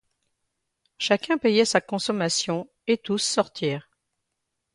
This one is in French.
Chacun paya sa consommation, et tous sortirent.